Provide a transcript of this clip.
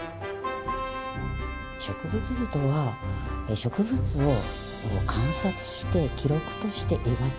植物図とは植物を観察して記録として描く。